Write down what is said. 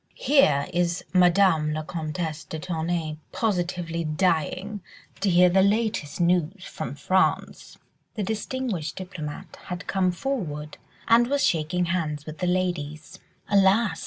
Here is Madame la Comtesse de Tournay positively dying to hear the latest news from France." The distinguished diplomatist had come forward and was shaking hands with the ladies. "Alas!"